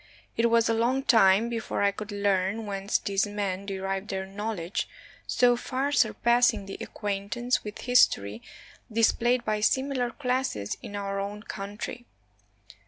It was a long time before I could learn whence these men derived their knowledge, so far surpassing the acquaint ance with history displayed by similar classes in our own country.